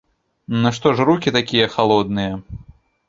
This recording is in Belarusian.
Ну што ж рукі такія халодныя?!